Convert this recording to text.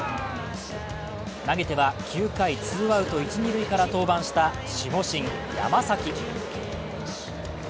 投げては９回ツーアウト一・二塁から登板した守護神・山崎。